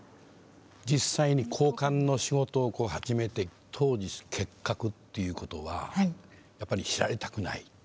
実際に公看の仕事を始めて当時結核ということはやっぱり知られたくない。